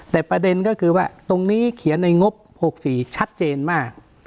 แต่ประเด็นก็คือว่าตรงนี้เขียนในงบ๖๔ชัดเจนมาก